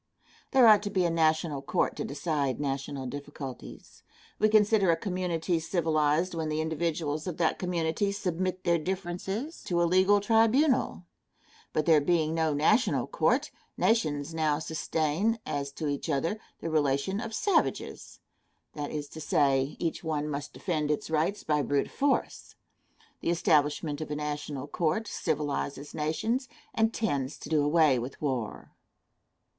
There ought to be a national court to decide national difficulties. We consider a community civilized when the individuals of that community submit their differences to a legal tribunal; but there being no national court, nations now sustain, as to each other, the relation of savages that is to say, each one must defend its rights by brute force. The establishment of a national court civilizes nations, and tends to do away with war.